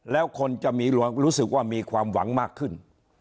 แล้วคนจะรู้สึกว่ามีความหวังมากขึ้น